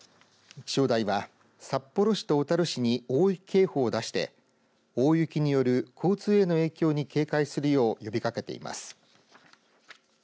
気象台は札幌市と小樽市に大雪警報を出して大雪による交通への影響に警戒するよう呼びかけています。